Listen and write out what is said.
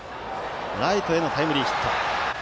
ライトへのタイムリーヒット。